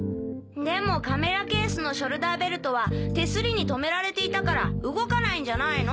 でもカメラケースのショルダーベルトは手すりにとめられていたから動かないんじゃないの？